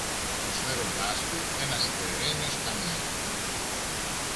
προσφέροντάς του ένα σιδερένιο σκαμνί.